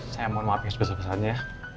saya mohon maafkan sebesar besarnya ya